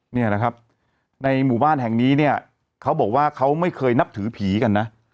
เนี่ยนะครับในหมู่บ้านแห่งนี้เนี่ยเขาบอกว่าเขาไม่เคยนับถือผีกันนะ